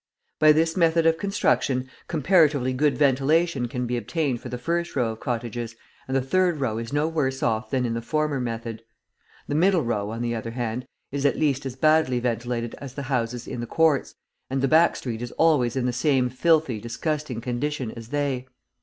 By this method of construction, comparatively good ventilation can be obtained for the first row of cottages, and the third row is no worse off than in the former method. The middle row, on the other hand, is at least as badly ventilated as the houses in the courts, and the back street is always in the same filthy, disgusting condition as they.